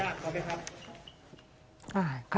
ขอโทษนะครับสวัสดีครับ